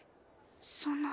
そんな。